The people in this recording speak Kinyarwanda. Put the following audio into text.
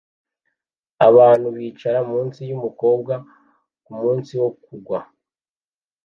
Abantu bicara munsi yumukobwa kumunsi wo kugwa